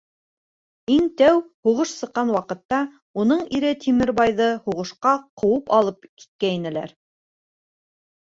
Иң тәү һуғыш сыҡҡан ваҡытта, уның ире Тимербайҙы һуғышҡа ҡыуып алып киткәйнеләр.